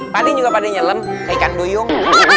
paling juga pada nyelem ke ikan duyung